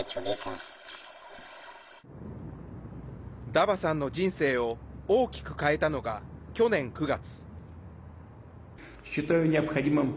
ダバさんの人生を大きく変えたのが、去年９月。